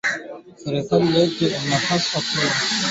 Serkali wetu ana pashwa ku ichikiya ba mama bote banze kurima